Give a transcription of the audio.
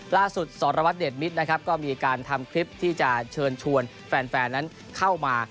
สรวัตรเดชมิตรนะครับก็มีการทำคลิปที่จะเชิญชวนแฟนนั้นเข้ามา